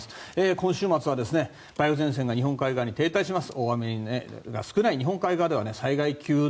今週末は梅雨前線が日本海側に停滞します。